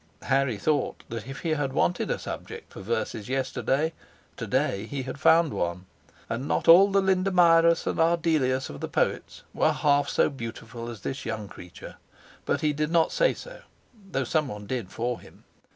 Harry thought if he had wanted a subject for verses yesterday, to day he had found one: and not all the Lindamiras and Ardelias of the poets were half so beautiful as this young creature; but he did not say so, though some one did for him.